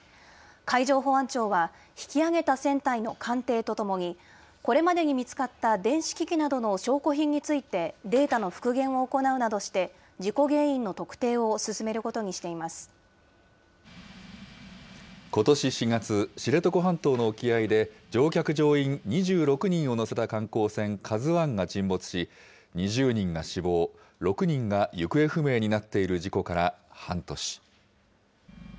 海上保安庁は引き揚げた船体の鑑定とともに、これまでに見つかった電子機器などの証拠品について、データの復元を行うなどして、事故原因の特定を進めることにしてことし４月、知床半島の沖合で乗客・乗員２６人を乗せた観光船、ＫＡＺＵＩが沈没し、２０人が死亡、６人が行方不明になっている事故から半年。